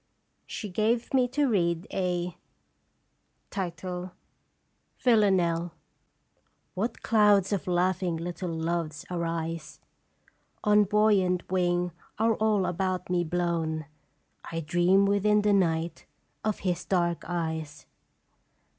She gave me to read a "VILLANELLE. "What clouds of laughing little Loves arise On buoyant wing are all about me blown ! I dream within the night of his dark eyes.